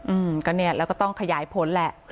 อืมก็เนี่ยแล้วก็ต้องขยายผลแหละ